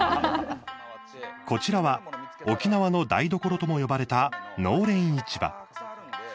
こちらは沖縄の台所とも呼ばれた農連市場。